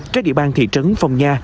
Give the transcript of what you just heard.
trái địa bàn thị trấn phong nha